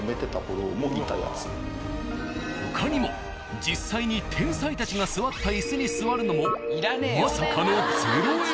他にも実際に天才たちが座った椅子に座るのもまさかの０円。